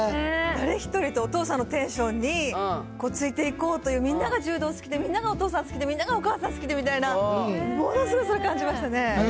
誰一人と、お父さんのテンションについていこうという、みんなが柔道好きで、お父さんがみんながお母さん好きでみたいな、ものすごいそれ、感じましたね。